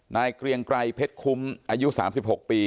เกรียงไกรเพชรคุ้มอายุ๓๖ปี